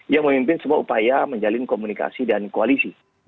yang memimpin sebuah upaya menjalin komunikasi dan koalisi